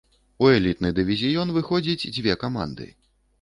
У элітны дывізіён выходзіць дзве каманды.